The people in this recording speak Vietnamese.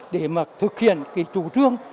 để mà thực hiện cái chủ trương